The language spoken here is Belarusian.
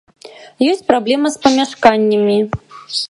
Ёсць праблема з памяшканнямі.